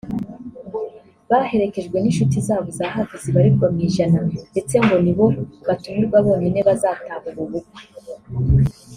baherekejwe n’inshuti zabo za hafi zibarirwa mu ijana ndetse ngo ni bo batumirwa bonyine bazataha ubu bukwe